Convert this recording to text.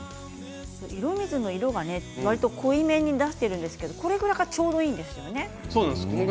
色水の色が濃いめに出ているんですがこれぐらいがちょうどいいんですね。